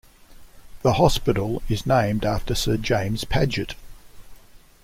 The hospital is named after Sir James Paget.